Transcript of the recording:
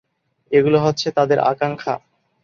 এগুলো হচ্ছে তাদের আকাঙ্ক্ষা।